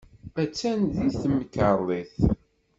Attan deg temkarḍit.